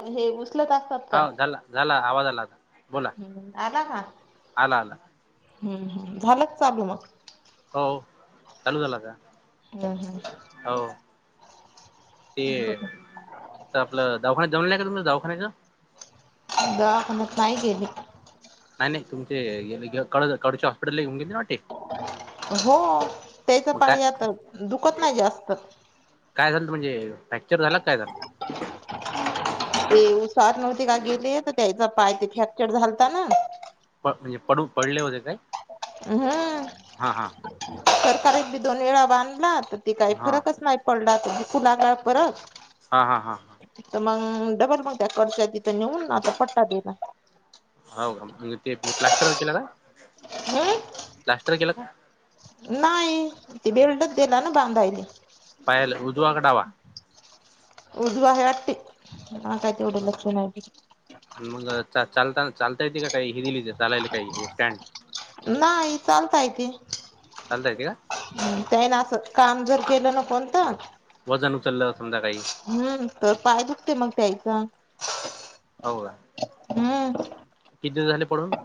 आणि हे गुसलं का हाव झाला झाला आवाज आला आता बोला. हम्म आला का? आला आला हम् हम् झालं चालू मगं? हो चालू झाला का? हुं, हुं. हाव. ते हम्म त आपलं दवाखान्यात जाऊन [unintelligible] दवाखान्याच दवाखान्यात नाही गेली? नाही नाही तुमचे [unintelligible] कडचे हॉस्पिटलला येऊन गेलो. हो त्याच मग काय पायता दुखत नाही जास्त. काय झालं म्हणजे, फ्रॅक्चर झाला काय झालं? ते उसार नव्हते का गेले, तर त्यायचा पाय ते फ्रॅक्चर झालता ना. म्हणजे पडू पडले होते काय? हम्म, हां हां [unintelligible] एकदी दोन वेळा बांधला तर त काही हां फरकच नाही. पडला तुला काय फरक? हा हा हा. तर मग डबल मग त्या कर्श तिथ नेऊन आता पट्टा देला. हो का, म्ह तेे प्लास्टर वर केला का? हम्म प्लास्टर केला का? नाही, ते बेल्टच दिला ना बांधायले. पायाला, उजवा का डावा? उजवा आहे वाटतं, काय तेवढे लक्ष नाही आहे. आणि मग चालता चालता येते काही हे चालाल काही हे स्टँड, नाही चालताय चालता येत का? हम, त्याना असं काम जर केलं न कोण तर वजन उचललं समजा काही हम्म, तर पाय दुखतय मग त्यायचा. हो का? हम्म किती दिस झाले पडून?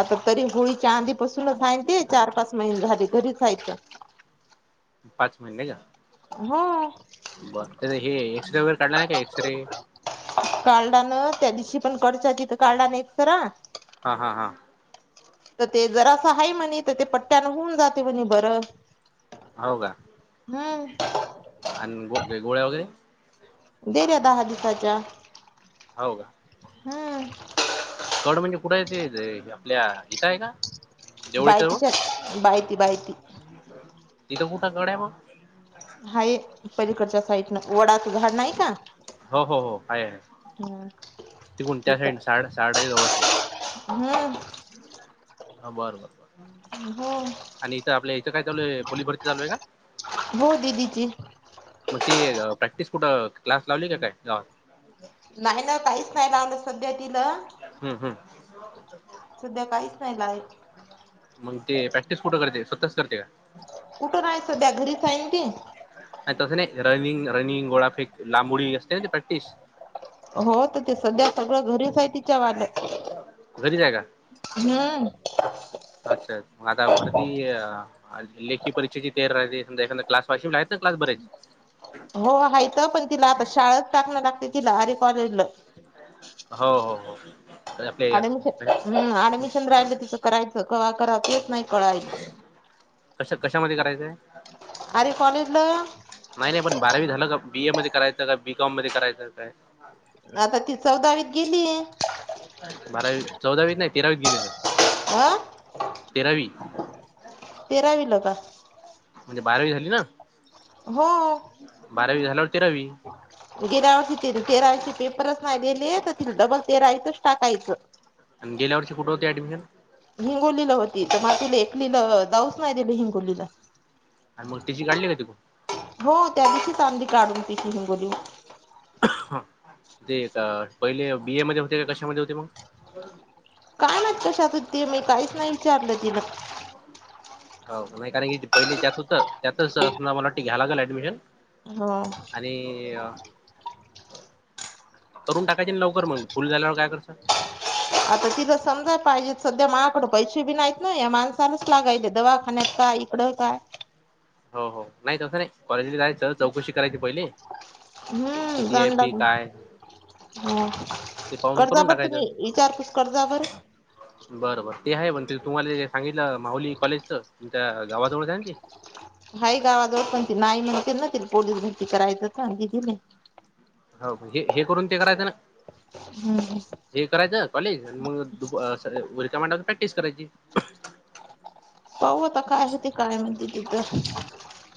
आता तरी होळीच्या आधीपसूनच हाय ते, चार पाच महिने झाले घरीच हायत. पाच महिने झाले का? हा. हे एक्सरे वगैरे काढला नाही का, एक्स रे कालडाान त्या दिवशी पण कडच तिथं कालडन एकसरा हा हा हा. तर ते जरा असं आहे म्हणे, तर ते पट्ट्यान होऊन जाते म्हणे बरं. हो का. हम्म! आणि [unintelligible] गोळ्या वगैरे दिले दहा दिसाच्या हो का? कड म्हणजे कुठे येते आपल्या इथं आहे का? देवळीच्या जवळ बायतीच्या बायती बायती तिथं कुठं गड आहे मग? हाय, पलीकडच्या साईटनं वडाच झाड नाही का? हो हो हो, आहे आहे. हम्म. तिकून त्या तिथं साईड [unintelligible] जवळ असेल हम्म ह बर बर [unintelligible] हो. आणि इथं आपल्या इथं काय चालूय? पोलिस भरती चालूय का? हो दीदीची मग ते प्रॅक्टिस कुठं क्लास लावली का काय? नाही ना, काहीच नाही लावलं सध्या तिला हम्म हम्म. सध्या काहीच नाही ला मग ते प्रॅक्टिस कुठं करते? स्वतःच करते का? कुठं नाही सध्या घरीच आहे ती. आणि तसं नाही रनिंग रनिंग, गोळाफेक लांबोडी असते ना ते प्रॅक्टिस. हो तर ते सध्या सगळं घरीच आहे. तिच्या वालं घरीच आहे का? हम् अच्छा म आता भरती लेखी परीक्षेची तेर राते स एखा क्लास वाशीि हो हायथ पण तिला आता शाळाच टाकणं लागते. तिला अरे कॉलेजला. हो हो हो. आपले ऍडमिशन राहिलं तिचं करायचं नाही कळायच. कशामध्ये करायचंय? अर कॉलेज ला. नाही नाही पण बारावी झालं. का बी ए मध्ये करायचं का बी कॉम मध्ये करायचं. काय? आता ती चौदावित गेली. बारावी चौदावीस नाही तेरावीस गेले तर. हा तेरावी ला आता. म्हणजे बारावी झाली ना. हो बारावी झाल्यावर तेरावी. गेरावरती तेराचे पेपरच नाहीलेले तर ति डबल तेरायचं टाकायचं. आणि गेल्या वर्षी कुठं होतं ऍडमिशन? हिंगोलीला होती तर मातिला एकलीला जाऊच नाही तिले हिंगोलीला. आणि मग ती काढली काय तू हो त्याविशी चांदी काढून तिची हिंगोली. हा ते का पहिले बीए मध्ये होते का कशामध्ये होते मग? का नाही कशातून ते मी काहीच नाही विचारलं तिला. हो नाही कारण की पहिले जत होत. त्यातच मला घ्यायला लागेल ऍडमिशन. हो. आणि करून टाकायचे लवकर मग फुल झाल्यावर काय करसं? आता तिला समजा पाहिजेत. सध्या माळाकड पैसे बी नाहीत. ना या माणसालाच लागायले दवा काय इकडं काय? हो हो नाही. तसं नाही कॉलेज ब जायच तर चौकशी करायची पहिले. किती आहे? फी काय? ह ते पाहून कर्जा करून बर तुम्ही विचार कस कर्जा बर. बरोबर ते आहे पण ते तुम्हाला सांगितलं. माहुली कॉलेजच तमच्या गावाजवळच आहे. ते हा गावाजवळ पण ती नाही म्हणते. ना त पोलीस भरती करायचंच. का दिदी नाही. हो हे हे करून ते करायचं ना. हम्म हे करायचं कॉलेज मग दु उरक मड प्रॅक्टिस करायची. पाह आता काय होती काय म्हणते तिथं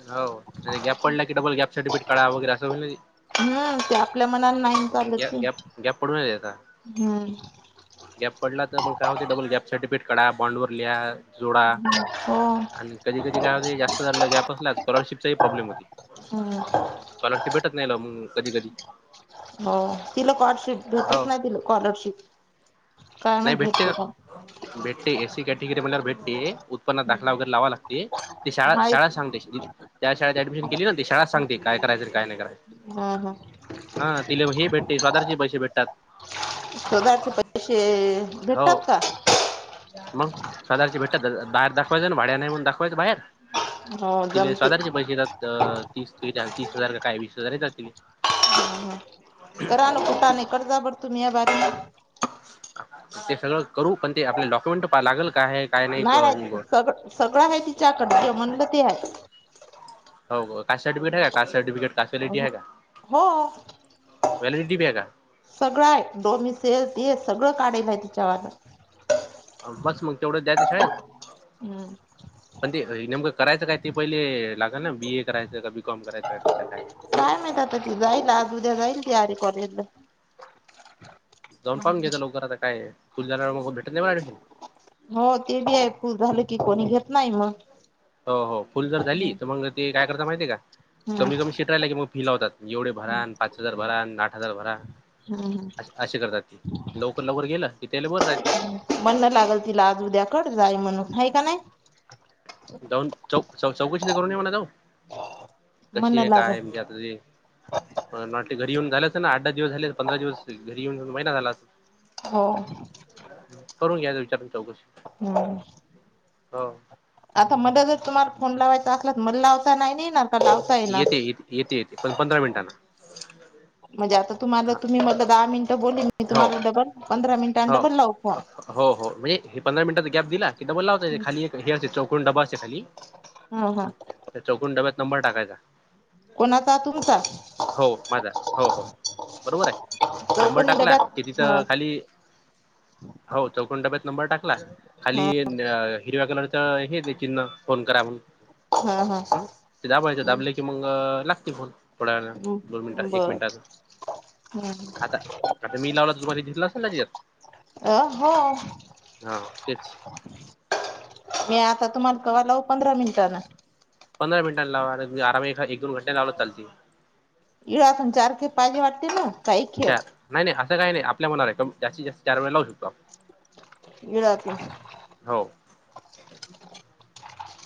हो गॅप पडला की डबल गॅप सर्टिफिकेट का वगैरे असं होईल. हम्म त्या हा ग गॅप गॅप पडून राहील आता. हम्म गॅप पडला तर मग काय होते डबल गॅप सर्टिफिकेट काढा बँनडवर लिहा. जोडा हो आणि कधी कधी काय होते जास्त पॉलरशिप प्रॉब्लेम हो हम्म स्कॉलरशिप भेटत नाही ल मग कधी कधी. हो तिला स्कॉलरशिप हो घेतच नाही तिला स्कॉलरशिप काय नाही भेटते भेतते ना का? भेटते एसी कॅटेगरी म्हणल्या भेटते उत्पन्नात दाखला वगैरे लावा लागते. ते शाळा, हाय शाळा सांगते त्या शाळेत ऍडमिशन केली ना ते शाळा सांगतेय काय करायच काय नाही करायच. हा. हा हा तिला हे भेटते स्वादारचे पैसे भेटतात. सदाचे पैसे हो भेटतात का? मग सदारची भेट बाहेर दाखवायचं. ना भाड्या नाही म्हणून दाखवायचं बाहेर हो तिला जमते सदार हा, पैसे येतात. अ, ती, तीस हजार काय वीस. हजार येतात तिले हा हा रानातलं पाणी कर्जा [unintelligible] ते सगळं करू पण ते आपले डॉक्युमेंट लागल काय आहेत. नाही रा सगळ, सगळं आहे तिच्याकड म्हणलं ते हाय हाव का, काशाड तरी हो हो [unintelligible] सगळं हाय, डोमिसेल ते सगळं काढाय पाहिजे तिच्यावरन. बस मग तेवढं द्यायचं शाळेत. हम्म हो [unintelligible] पण ते नेमकं करायचं काय ते पहिले लागल ना बी. ए, करायचं का बी. कॉम, करायचंय कसं काय काय माहीत आता जाईल आज उद्या जाईल ती अर कॉलेजला. जाऊन पाहून घेचं लवकर आता काय, फुल झाल्यावर भेटत नाही ऍडमिशन? हो, ते बी हाय फूल झालं की कोणी घेत नाही मग. हो हो फुल जर झाली, तर हम्म मग ते काय करता माहितीय का? कमी, कमी शिट राहिलं की मग फी लावतात. एवढे भरा आणि पाच हजार भरान आठ हजार भरा. हम्म असे करतात ती लवकर, लवकर गेलं की त्या ल बर राहती. म्हणण लागल तिला, आज उद्याकड जाई म्हणून नाही काय नाही. जाऊन चौ च चौकशी ते करून ये म्हणा जाऊन. कशी आहे म्हणणं काय लागल. हाय मं आता ती नोटि घरी येऊन झालंच ना, आठ -दहा दिवस झाले पंधरा दिवस घरी येऊन माहि ना झाला असणं हो करून घ्या विचारून चौकशी. हम्म हाव. आता मले जर तुम्हाला फोन लावायचा असला तर मला लावता नाही ना नेणार की काय? येते, य, येते, येते पण पंधरा मिनटांना. म्हणजे आता तुम्हाला तुम्ही मलं दहा मिनिट बोली मी हो तुम्हाला डबल पंधरा मिनि हो, हो- हो म्हणजे हे पंधरा मिनिटाचा गॅप दिला की डबल लावता खाली एक हे असते, चौकून डबा असते खाली हा हा तर चौकून डब्यात नंबर टाकायचा. कोणाचा तुमचा हो माझा, हो, हो बरोबर हाय नंबर चौकोनी टाकला की डब्यात हा तिथं खाली हो, चौकून डब्यात नंबर टाकला खाली हा हिरव्या कलरच हे ते चिन्ह फोन करा म्हण, हा हा. म, ते दाबायच, दाबले की मग लागते फोन थोड्या वेळानं, दोन मिनट एक मिनिटान. बर. आता, आता मी लावला तुमानी दिसला असेल ना तिझ्यात. अ, हो. हा तेच मी आता तुम्हाला कवा लावू पंधरा मिनिटांन. पंधरा मिनटां लावा आता मी आराम एक दोन घंट्यान लावल तर चालती ये आपण चारखेप पाहिज वाटते ना. का एक खेप चार, नाही- नाही असं काय नाही आपल्या मनावर हाय कम, जास्तीत जास्त चार वेळेला लावू शकतो आपण. [unintelligible] हो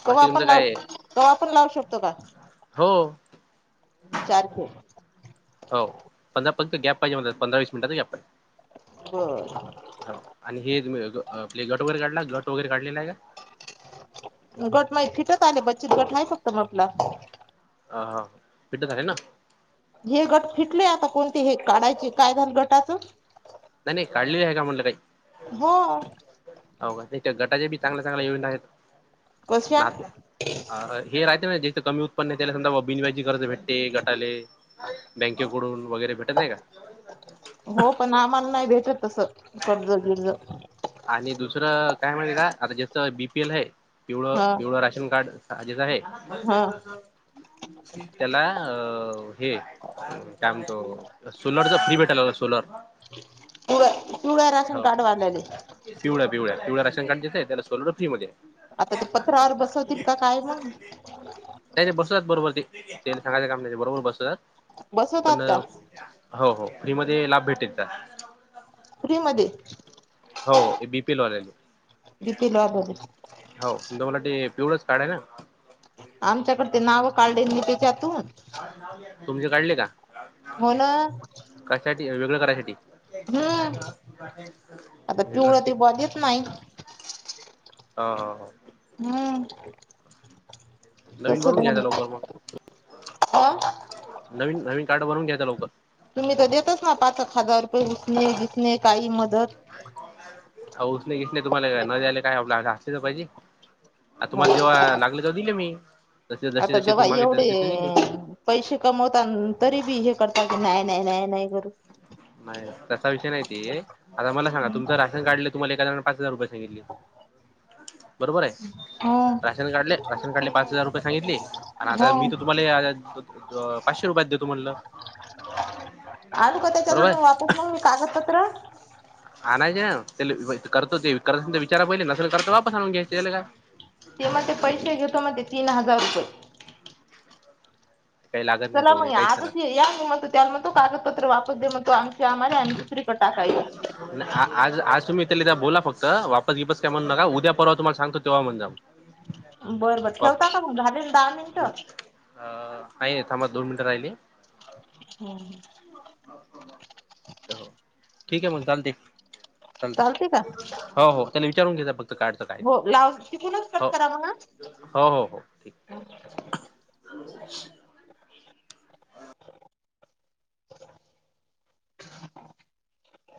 कव्हा बाकी आपण तुमचं लाव, काय आहे? कवा आपण लावू शकतो का. हो. चार खेळ. हो, पंधरा फक्त गॅप पाहिजे मनतात, पंधरा वीस मिनटच गॅप हाय. बर. हो आणि हे आपले गट वगैरे काढला गट वगैरे काढलेलय का? गट नाई फिटत आले बचत गट नाही शकत आपला. हा हा फिटत आले ना? हे गट फिटले आता कोणते हे काढायचे काय जरूरत असल? नाही नाही काढली आहे का म्हणलं काही? हो हो का हेच्या गटाच्या बी चांगल्या चांगल्या योजना आहेत. कशा नात अ हा हे राहते ना जेच कमी उत्पन्न आहे त्याला समजा बिनव्याजी कर्ज भेटते. ते, गटाले, बँकेकडून वगैरे भेटत नाही का. हो पण, आम्हाला नाही भेटत तस, कर्ज बिर्ज. आणि दुसरं, काय म्हणल का, आता जेंच बीपी एल हाय पिवळ, हा पिवळं राशन कार्ड ह जेच हाय. हा त्याला, अ हे काय म्हंतो. सोलरचा फ्री भेटायला लागला, सोलर, हो. पालेले. पिवळ्या पिवळ्या, पिवळ्या राशनकार्ड आय त्याला सोलर फ्री मध्ये. आता ते पत्रावर बसवतील का काय मग. नाही नाही बसवतात बरोबर ते तेंना सांगायचं काम नाही, बरोबर बसवतात. बसवतात पणऽ का हो हो, फ्री मध्ये लाभ भेटेल त्या फ्री मध्ये. हो, हो, बीपीएल वाल्यांना. बीपील लागते. हो तुम्हाला ते पिवळच कार्ड आहे ना. आमच्याकड ते नाव काढले नि तेच्यातून. तुमचे काढले का हो ना कशासाठी वेगळं करायसाठी. हम्म आता वेगळं पिवळं साठी. ते बॉ देत नाही हो, हो, हो. हम्म. नवीन तस बनवून घ्यायचा मनलं लवकर मग हां. नवीन, नवीन कार्ड बनून घे आता लवकर. तुम्ही तर देतच नाई, पाचेक हजार रुपये ऊसणे बिसणे काही मदत. अवो उ्सने बिसने न तुम्हाला न द्यायला काय, असले तर पाहिजे. आ ह तुम्हाला जेव्हा लागले तेव्हा दिले मी. तसे आता जसे जसे जवा तुम्ही मागितले तसे ते दिले एवढेऽ पैशे कमवता अनं तरी बी हे करतात, की, नाही, नाही, नाही, नाही करून. नाही तसा विषय नाहीते आता मला सांगा, तुमचं राशन कार्डला, तुम्हाला एखाद्याण पाच हजार रुपये सांगितले, बरोबर आहे. हो राशन कार्डले, राशन कार्डले पाच हजार रुपये सांगितले. आणि, हो आता मी तर तुम्हाला पाचशे रुपयात देतो मनलं. आणु का बरोबर त्याच्याकडून आहे वापस मग मी कागदपत्र. हा, आणायचे ना, करतो ते, करत विचारा पहिले, नसेल करत वापस आणून घ्यायचे, त्याला काय? ती म्हणते, पैसे घेतो म्हणते तीन हजार रुपय. काही लागत नाही चला तेवढी मग, काहीच नाही आजच या हिंमत.... त्याला म्हणतो कागदपत्र वापस दे म्हणतो, आमची आम्हाला, आणि दुसरीकड टाका येऊन.... आज आज तुम्ही त्याला बोला फक्त, वापस बिपस काय म्हणून नका, उद्या परवा तुम्हाला सांगतो तेव्हा म्हण जा.... बरं बर, ठेवता वापस. का मग, झाली ना दहा मिनिटं. अ, नाही आहे थाबा, दोन मिनिटं राहिले. [inaudible] ठीक आहे मग चालतय. चालते का चालतंय हो हो, त्याला विचारून घे जा फक्त काय अडचण हाय हो लाव तिकूनच कट हो.. करा मग हा. हो हो हो. ठीक.